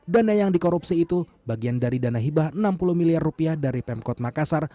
dana yang dikorupsi itu bagian dari dana hibah enam puluh miliar rupiah dari pemkot makassar